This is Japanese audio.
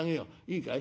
いいかい。